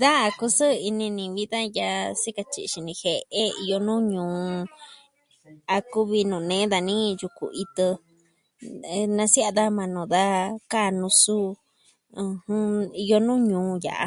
Da kusɨɨ ini ni vi da yaa sikatyi'i xini jie'e iyo nuu ñuu, a kuvi nuu nee dani, Yuku itɨ. nasia'a daja majan nuu da kaa nusu iyo nuu ñuu ya'a.